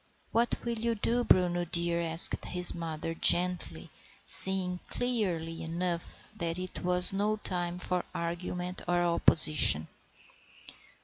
"What will you do, Bruno dear?" asked his mother gently, seeing clearly enough that it was no time for argument or opposition.